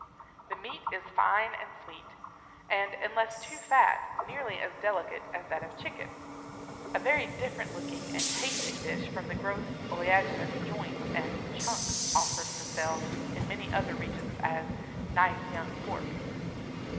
The meat is fine and sweet, and, unless too fat, nearly as delicate as that of chicken—a very different looking and tasting dish from the gross oleaginous joints and "chunks" offered for sale in many other regions as "nice young pork."